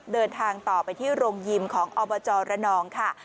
เดินทางต่อไปที่โรงยิมของอบจรนองค่ะ